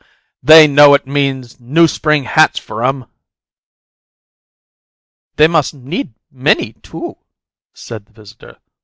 "They know it means new spring hats for 'em!" "They must need many, too!" said the visitor.